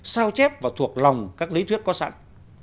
sao chép và thuộc lòng các lý thuyết có sẵn